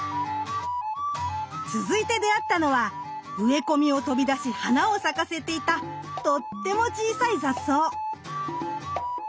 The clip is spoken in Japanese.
続いて出会ったのは植え込みを飛び出し花を咲かせていたとっても小さい雑草！